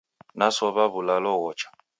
Nasow'a w'ulalo ghocha.